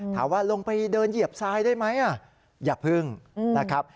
ถามว่าลงไปเดินเหยียบทรายได้ไหมอย่าพึ่งนะครับ